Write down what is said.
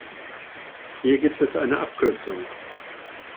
Hier gibt es eine Abkürzung.